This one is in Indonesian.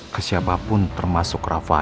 ke siapapun termasuk raffer